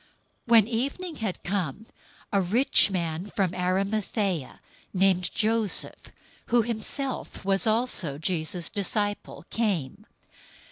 027:057 When evening had come, a rich man from Arimathaea, named Joseph, who himself was also Jesus' disciple came.